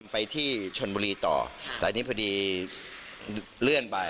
ไปที่ชนบุรีต่อแต่อันนี้พอดีเลื่อนไป